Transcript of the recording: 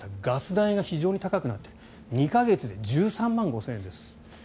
ガス代が非常に高くなっていると２か月で１３万５０００円です。